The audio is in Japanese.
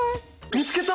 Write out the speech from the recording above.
見つけた！